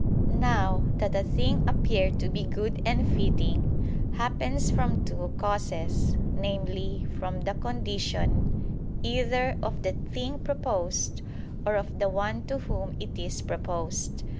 Now, that a thing appear to be good and fitting, happens from two causes: namely, from the condition, either of the thing proposed, or of the one to whom it is proposed.